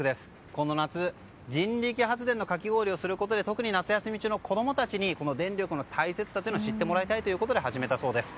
この夏人力発電のかき氷をすることでこの夏休み、子供たちに電力の大切さというのを知ってもらいたいということで始めたそうです。